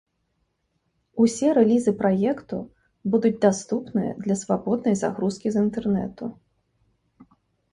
Усе рэлізы праекту будуць даступныя для свабоднай загрузкі з інтэрнэту.